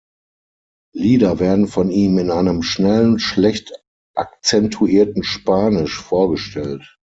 Lieder werden von ihm in einem schnellen, schlecht akzentuierten Spanisch vorgestellt.